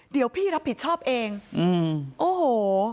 เดี๋ยวพี่รับผิดชอบเองอืมโอ้โห